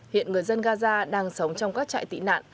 hiện người dân gaza đang sống trong các trại tị nạn